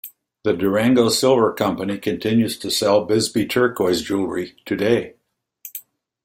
The Durango Silver Company continues to sell Bisbee turquoise jewelry today.